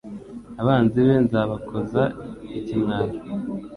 Abanzi be nzabakoza ikimwaro